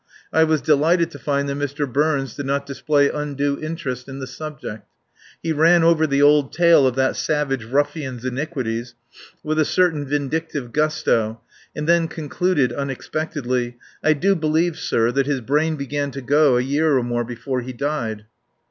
I was delighted to find that Mr. Burns did not display undue interest in the subject. He ran over the old tale of that savage ruffian's iniquities with a certain vindictive gusto and then concluded unexpectedly: "I do believe, sir, that his brain began to go a year or more before he died."